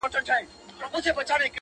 جنت سجده کي دی جنت په دې دنيا کي نسته~